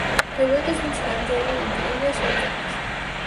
Her work has been translated into English and French.